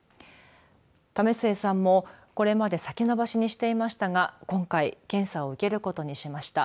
為末さんもこれまで先延ばしにしていましたが今回検査を受けることにしました。